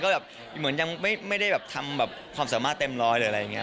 ก็แบบเหมือนยังไม่ได้แบบทำแบบความสามารถเต็มร้อยหรืออะไรอย่างนี้